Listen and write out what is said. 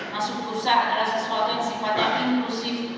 masuk perusahaan adalah sesuatu yang sempatnya inklusif